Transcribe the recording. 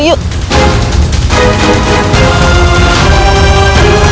aduh kuduku mahatu